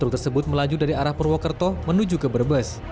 truk tersebut melaju dari arah purwokerto menuju ke brebes